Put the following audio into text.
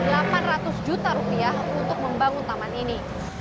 rp delapan ratus juta rupiah untuk membangun taman ini